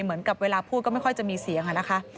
เหมือนกับเวลาพูดก็ไม่ค่อยจะมีเสียงอะนะคะ